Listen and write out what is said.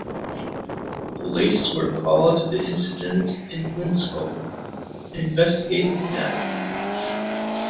Police were called to the incident in Winscombe and investigated the matter.